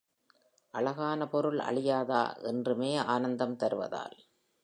அழகான பொருள் அழியாதா, என்றுமே ஆனந்தம் தருவதால்?